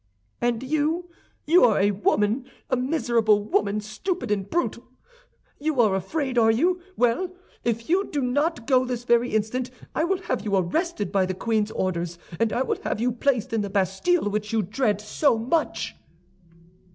"And you, you are a woman—a miserable woman, stupid and brutal. You are afraid, are you? Well, if you do not go this very instant, I will have you arrested by the queen's orders, and I will have you placed in the Bastille which you dread so much."